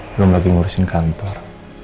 belum lagi ngurusin kantor